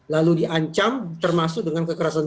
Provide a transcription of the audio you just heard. lalu diancam termasuk dengan kekerasan